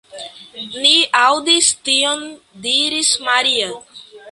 Ni aŭdis tion, diris Maria.